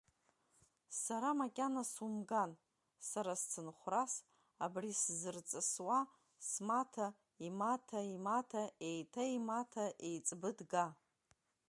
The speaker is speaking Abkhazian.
Сара макьана сумган, сара сцынхәрас абри сзырҵысуа смаҭа имаҭа, имаҭа, еиҭа имаҭа еиҵбы дга!